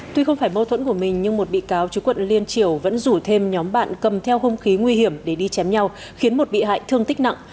tuy không phải mâu thuẫn của mình nhưng một bị cáo chú quận liên triều vẫn rủ thêm nhóm bạn cầm theo hung khí nguy hiểm để đi chém nhau khiến một bị hại thương tích nặng